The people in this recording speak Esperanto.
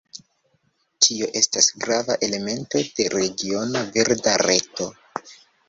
Tio estas grava elemento de regiona verda reto.